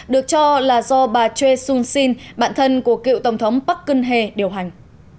được cho là do bà choi soon sin bạn thân của cựu tổng thống park geun hye điều hành